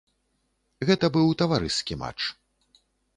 Гэта быў таварыскі матч.